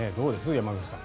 山口さん。